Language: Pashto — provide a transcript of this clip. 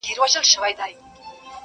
هر يو سر يې هره خوا وهل زورونه!